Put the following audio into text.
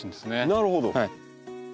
なるほど。